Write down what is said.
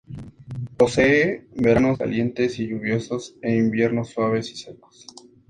Posee veranos calientes y lluviosos e inviernos suaves y secos.